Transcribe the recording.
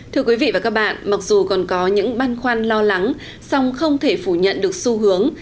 thưa quý vị và các bạn mặc dù còn có những băn khoăn lo lắng song không thể phủ nhận được xu hướng